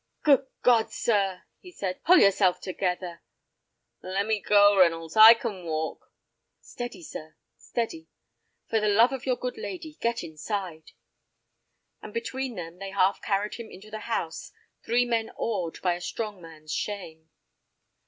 "Good God, sir," he said, "pull yourself together!" "Lemme go, R'nolds, I can walk." "Steady, sir, steady! For the love of your good lady, get inside." And between them they half carried him into the house, three men awed by a strong man's shame.